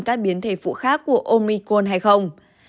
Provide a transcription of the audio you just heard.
các biến thể phụ khác của omicron hay không